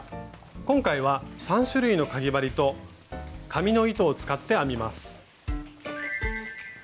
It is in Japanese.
今回は３種類のかぎ針と紙の糸を使って編みます。